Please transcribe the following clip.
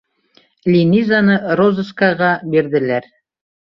Линизаны розыскаға бирҙеләр.